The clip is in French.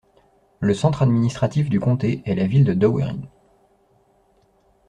Le centre administratif du comté est la ville de Dowerin.